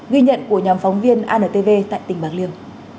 ghi nhận của nhóm phóng viên antv tại tỉnh bạc liêu